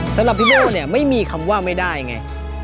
สำหรับพี่โบ้ไม่มีคำว่าไม่ได้ไง